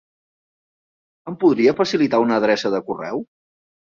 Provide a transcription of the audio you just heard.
Em podria facilitar una adreça de correu?